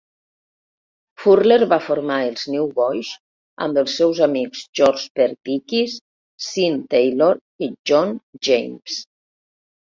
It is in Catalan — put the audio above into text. Furler va formar els Newsboys, amb els seus amics George Perdikis, Sean Taylor i John James.